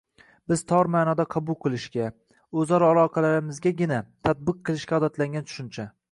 biz tor ma’noda qabul qilishga, o‘zaro aloqalarimizgagina tatbiq qilishga odatlangan tushuncha